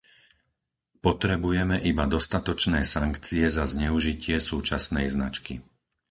Potrebujeme iba dostatočné sankcie za zneužitie súčasnej značky.